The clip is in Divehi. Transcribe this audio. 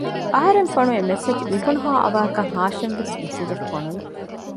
އަހަރެން ފޮނުވި މެސެޖް ލިބުނުހާ އަވަހަކަށް ހާޝިމްވެސް މެސެޖެއް ފޮނުވި